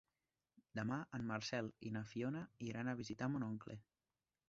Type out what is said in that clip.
Demà en Marcel i na Fiona iran a visitar mon oncle.